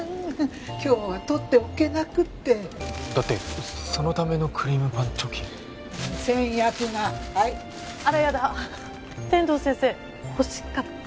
今日は取っておけなくってだってそのためのクリームパン貯金先約がはいあらやだ天堂先生欲しかった？